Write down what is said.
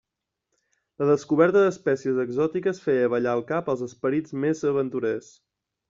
La descoberta d'espècies exòtiques feia ballar el cap als esperits més aventurers.